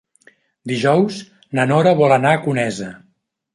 Dijous na Nora vol anar a Conesa.